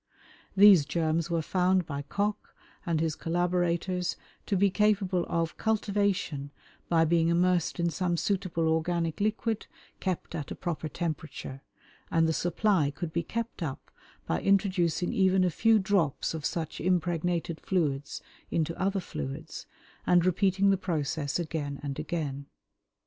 These germs were found by Koch and his collaborateurs to be capable of cultivation by being immersed in some suitable organic liquid kept at a proper temperature, and the supply could be kept up by introducing even a few drops of such impregnated fluids into other fluids, and repeating the process again and again.